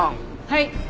はい。